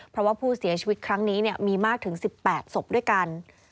เพราะว่าผู้เสียชีวิตครั้งนี้มีมากถึง๑๘ศพด้วยกัน